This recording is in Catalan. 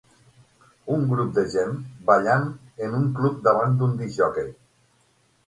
Un grup de gent ballant en un club davant d'un discjòquei.